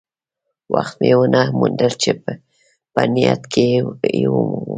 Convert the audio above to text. وخت مې ونه موند چې په نیټ کې یې ومومم.